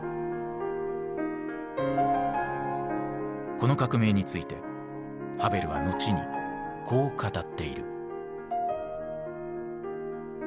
この革命についてハヴェルは後にこう語っている。